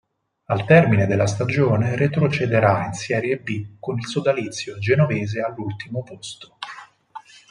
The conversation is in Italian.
Al termine della stagione retrocederà in Serie B con il sodalizio genovese all'ultimo posto.